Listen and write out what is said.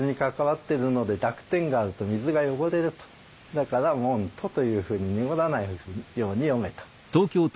だから「もんと」というふうに濁らないように読めと。